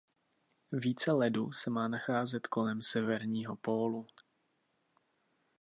Více ledu se má nacházet kolem severního pólu.